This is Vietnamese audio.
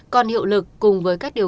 còn hiệu lực cùng với các bệnh nhân